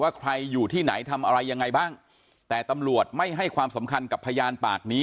ใครอยู่ที่ไหนทำอะไรยังไงบ้างแต่ตำรวจไม่ให้ความสำคัญกับพยานปากนี้